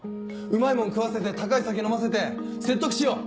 うまいもん食わせて高い酒飲ませて説得しよう。